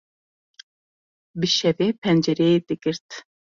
Bi şevê pencereyê digirt.